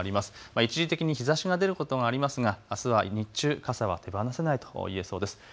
一時的に日ざしが出ることはありますが、あすは日中、傘は手放せないといえそうです。